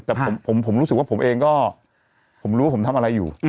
แต่ผมรู้สึกว่าผมเองก็ผมรู้ว่าผมทำอะไรอยู่